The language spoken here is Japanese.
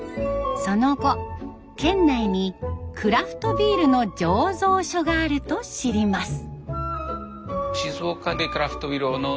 その後県内にクラフトビールの醸造所があると知ります。